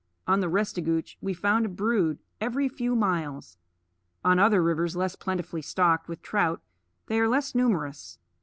On the Restigouche we found a brood every few miles; on other rivers less plentifully stocked with trout they are less numerous.